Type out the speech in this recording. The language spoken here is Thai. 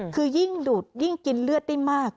คือยิ่งดูดยิ่งกินเลือดได้มาก